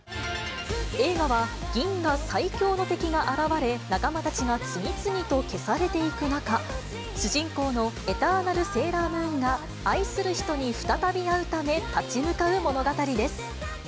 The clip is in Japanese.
映画は、銀河最強の敵が現れ、仲間たちが次々と消されていく中、主人公のエターナルセーラームーンが愛する人に再び会うため、立ち向かう物語です。